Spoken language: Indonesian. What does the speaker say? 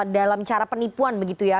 dalam cara penipuan begitu ya